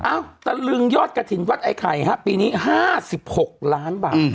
ตะลึงยอดกระถิ่นวัดไอ้ไข่ฮะปีนี้๕๖ล้านบาท